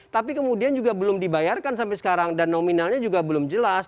tapi kemudian juga belum dibayarkan sampai sekarang dan nominalnya juga belum jelas